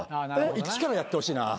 一からやってほしいな。